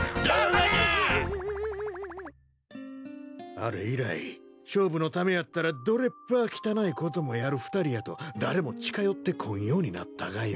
あれ以来勝負のためやったらどれっぱぁ汚いこともやる２人やと誰も近寄ってこんようになったがよ。